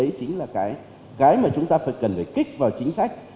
đấy chính là cái mà chúng ta phải cần phải kích vào chính sách